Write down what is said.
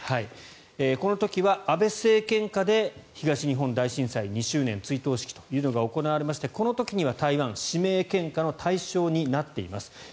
この時は安倍政権下で東日本大震災２周年追悼式というのが行われましてこの時には台湾指名献花の対象になっています。